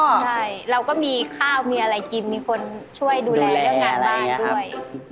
ใช่เราก็มีข้าวมีอะไรกินมีคนช่วยดูแลเรื่องงานบ้านด้วย